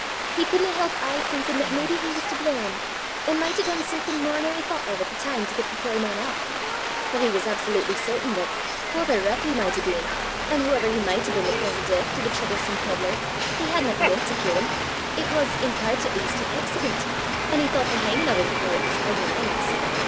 He couldna help aye thinkin' that maybe he was to blame, an' micht hae dune something mair nor he thoucht o' at the time to get the puir man aff; for he was absolutely certain that, hooever rouch he micht hae been; an' hooever he micht hae been the cause o' deith to the troublesome pedlar, he hadna meant to kill him; it was, in pairt at least, an accident, an' he thoucht the hangin' o' 'im for 't was hard lines.